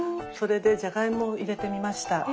それでじゃがいもを入れてみました。